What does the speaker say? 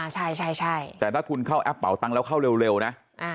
ใช่แต่ถ้าคุณเข้าแอปเป่าตังค์แล้วเข้าเร็วนะ